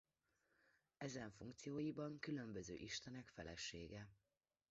Ezen funkcióiban különböző istenek felesége.